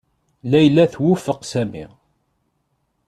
Layla twufeq Sami.